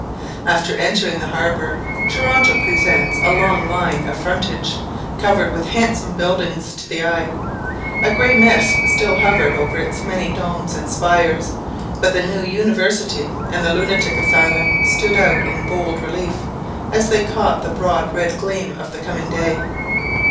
After entering the harbour, Toronto presents a long line of frontage, covered with handsome buildings, to the eye. A grey mist still hovered over its many domes and spires; but the new University and the Lunatic Asylum stood out in bold relief, as they caught the broad red gleam of the coming day.